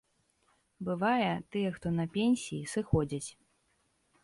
Бывае, тыя, хто на пенсіі, сыходзяць.